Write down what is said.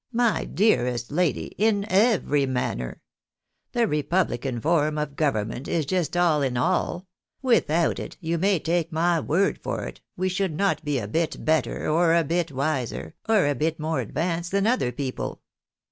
my dearest lady, in every manner ! The republican form of government is just all in all ; without it, you may take my word for it, we should not be a bit better, or a bit wiser, or a bit more advanced than other people.